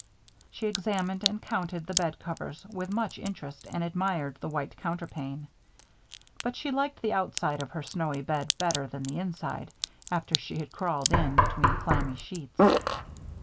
She examined and counted the bed covers with much interest, and admired the white counterpane. But she liked the outside of her snowy bed better than the inside, after she had crawled in between the clammy sheets.